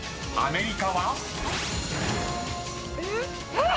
えっ⁉